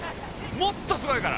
もっとすごいから。